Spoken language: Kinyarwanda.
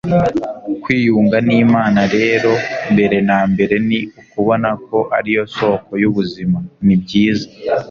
kwiyunga n'imana rero mbere na mbere ni ukubona ko ari yo soko y'ubuzima n'ibyiza